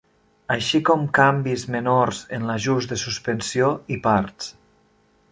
Així com canvis menors en l'ajust de suspensió i parts.